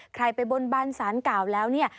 ใครไปบนบานสารเก่าแล้วเนี่ย